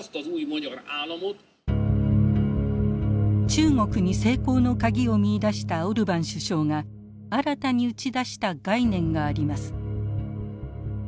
中国に成功のカギを見いだしたオルバン首相が新たに打ち出した概念があります。